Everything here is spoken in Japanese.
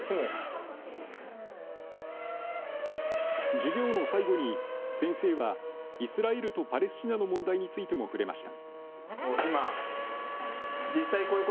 授業の最後に先生はイスラエルとパレスチナの問題についても触れました。